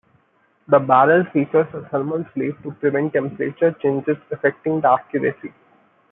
The barrel features a thermal sleeve to prevent temperature changes affecting the accuracy.